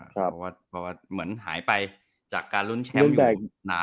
เพราะมันหายไปจากการรุ้นแชมป์อยู่นาน